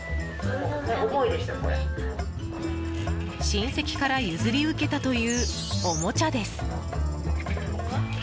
親戚から譲り受けたというおもちゃです。